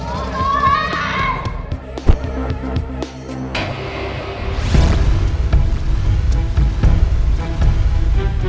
agar dia selamat